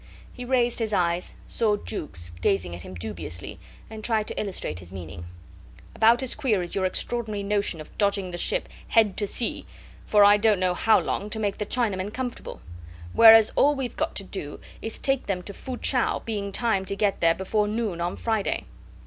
He raised his eyes, saw Jukes gazing at him dubiously, and tried to illustrate his meaning. "About as queer as your extraordinary notion of dodging the ship head to sea, for I don't know how long, to make the Chinamen comfortable; whereas all we've got to do is to take them to Fu chau, being timed to get there before noon on Friday.